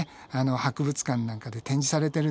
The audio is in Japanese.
博物館なんかで展示されてるんだよね。